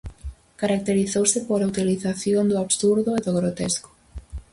Caracterizouse pola utilización do absurdo e do grotesco.